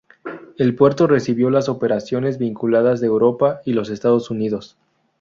El Puerto recibió las operaciones vinculadas de Europa y los Estados Unidos.